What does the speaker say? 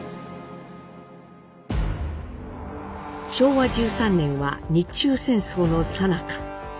昭和１３年は日中戦争のさなか。